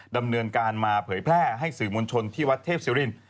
ดำเนินการมาเผยแพร่ให้สื่อมวลชนที่วัดเทพศิริน